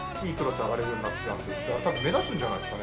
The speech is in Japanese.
やっぱり目立つんじゃないですかね。